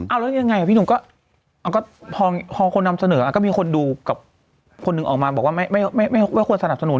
เอาแล้วยังไงพี่หนุ่มก็พอคนนำเสนอก็มีคนดูกับคนหนึ่งออกมาบอกว่าไม่ควรสนับสนุน